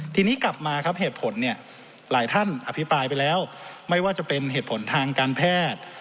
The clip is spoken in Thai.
ทีนี้กลับมาครับเหตุผลเนี่ยหลายท่านอภิปรายไปแล้วไม่ว่าจะเป็นเหตุผลทางการแพทย์